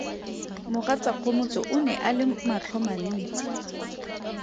Mogatsa Kgomotso o ne a le matlhomantsi.